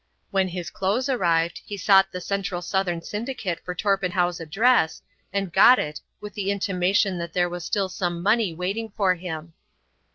When his clothes arrived he sought the Central Southern Syndicate for Torpenhow's address, and got it, with the intimation that there was still some money waiting for him.